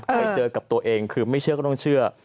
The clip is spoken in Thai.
ไปเจอกับตัวเองคือไม่เชื่อก็ต้องเชื่อ